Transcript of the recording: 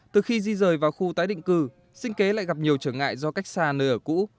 từ khi di rời vào khu tái định cư sinh kế lại gặp nhiều trở ngại do cách xa nơi ở cũ